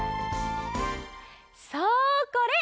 そうこれ！